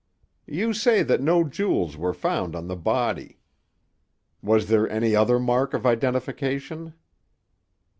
"You say that no jewels were found on the body. Was there any other mark of identification?"